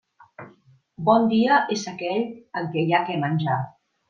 Bon dia és aquell en què hi ha què menjar.